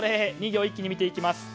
２行一気に見ていきます。